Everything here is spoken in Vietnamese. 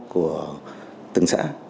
của từng xã